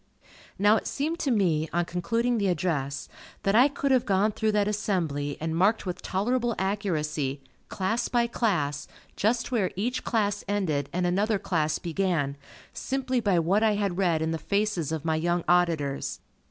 Now it seemed to me, on concluding the address, that I could have gone through that assembly, and marked with tolerable accuracy, class by class, just where each class ended and another class began, simply by what I had read in the faces of my young auditors.